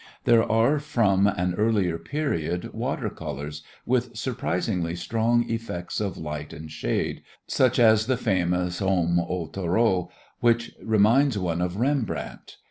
There are from an earlier period water colours with surprisingly strong effects of light and shade, such as the famous "Homme au Taureau", which reminds one of Rembrandt.